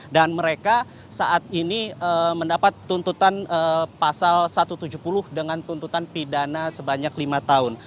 dan mereka saat ini mendapat tuntutan pasal satu ratus tujuh puluh dengan tuntutan pidana sebanyak lima tahun